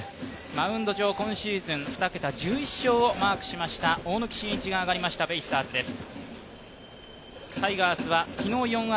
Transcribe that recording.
マウンド上、今シーズン２桁１１勝をマークしました大貫晋一が上がりましたベイスターズです。